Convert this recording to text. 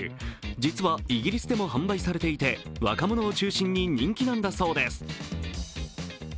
実はイギリスでも販売されていて若者を中心に人気なんだそうです。